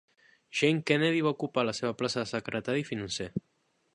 Jane Kennedy va ocupar la seva plaça de secretari financer.